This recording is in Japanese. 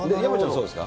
そうですか？